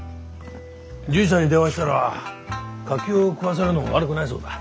獣医さんに電話したら柿を食わせるのも悪くないそうだ。